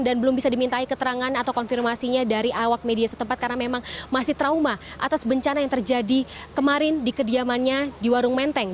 belum bisa dimintai keterangan atau konfirmasinya dari awak media setempat karena memang masih trauma atas bencana yang terjadi kemarin di kediamannya di warung menteng